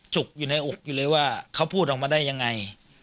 จุกอยู่ในอกอยู่เลยว่าเขาพูดออกมาได้ยังไง